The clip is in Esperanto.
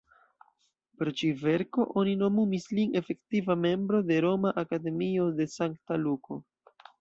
Pro ĉi-verko oni nomumis lin Efektiva membro de "Roma Akademio de Sankta Luko".